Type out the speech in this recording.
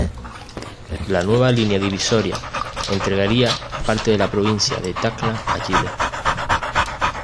La nueva línea divisoria entregaría parte de la provincia de Tacna a Chile.